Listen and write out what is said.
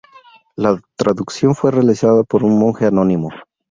La traducción fue realizada por un monje anónimo.